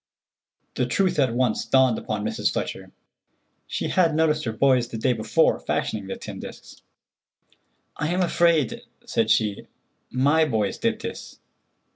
The truth at once dawned upon Mrs. Fletcher. She had noticed her boys the day before fashioning the tin disks. "I am afraid," said she, "my boys did this.